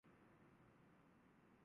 چنانچہ ان میں صالحین بھی موجود ہیں